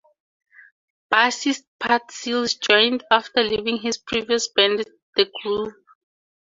Bassist Pat Seals joined after leaving his previous band The Grove.